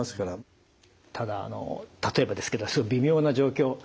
ただ例えばですけど微妙な状況